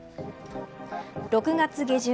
６月下旬